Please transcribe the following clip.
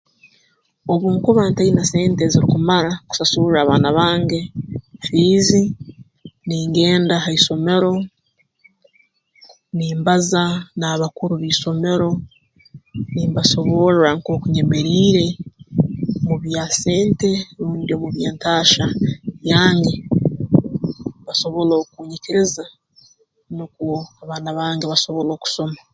Obu nkuba ntaine sente ezirukumara kusasurra abaana bange fiizi ningenda ha isomero nimbaza n'abakuru b'isomero nimbasoborra nkooku nyemeriire mu bya sente rundi omu by'entaahya yange basobole okunyikiriza nukwo abaana bange basobole okusoma